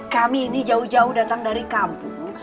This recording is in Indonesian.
kami ini jauh jauh datang dari kampung